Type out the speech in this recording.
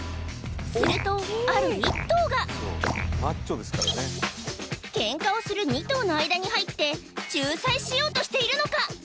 するとある１頭がケンカをする２頭の間に入って仲裁しようとしているのか？